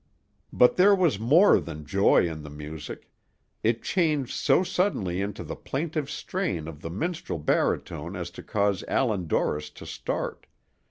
But there was more than joy in the music; it changed so suddenly into the plaintive strain of the minstrel baritone as to cause Allan Dorris to start.